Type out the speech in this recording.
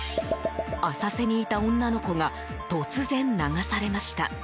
浅瀬にいた女の子が突然、流されました。